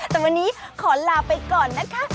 แต่วันนี้ขอลาไปก่อนนะคะ